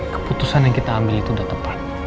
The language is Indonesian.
keputusan yang kita ambil itu sudah tepat